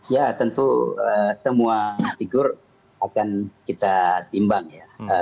ya tentu semua figur akan kita timbang ya